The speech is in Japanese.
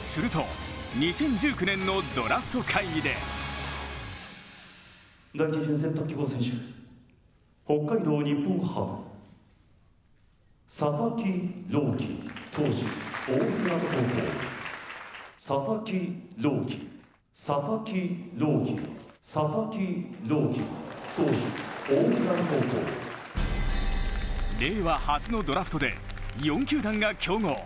すると２０１９年のドラフト会議で令和初のドラフトで４球団が競合。